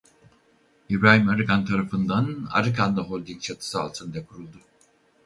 İbrahim Arıkan tarafından Arıkanlı Holding çatısı altında kuruldu.